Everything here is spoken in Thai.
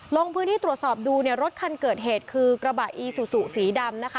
ลงพื้นที่ตรวจสอบดูเนี่ยรถคันเกิดเหตุคือกระบะอีซูซูสีดำนะคะ